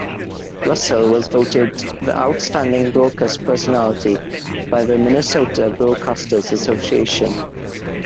Russell was voted the "Outstanding Broadcast Personality" by the Minnesota Broadcasters Association.